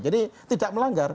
jadi tidak melanggar